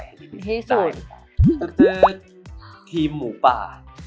ที่สุดค่ะทีมหมูป่า